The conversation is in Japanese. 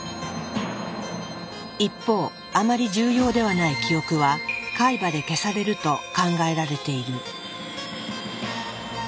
一方あまり重要ではない記憶は海馬で消されると考えられている。